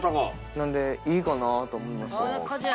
なのでいいかなと思います。